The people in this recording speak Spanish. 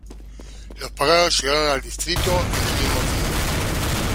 Los paganos llegaron al distrito en el mismo día.